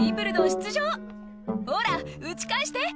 出場ほら打ち返して！